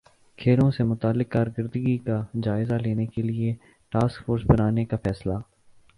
کھیلوں سے متعلق کارکردگی کا جائزہ لینے کیلئے ٹاسک فورس بنانے کا فیصلہ